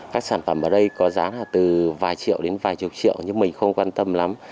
các sản phẩm ở đây có giá từ vài triệu đến vài chục triệu nhưng mình không quan tâm lắm